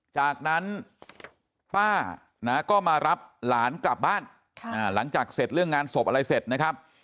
จากนั้นป้านะก็มารับหลานกลับบ้านหลังจากเสร็จเรื่องงานศพอะไรเสร็จนะครับ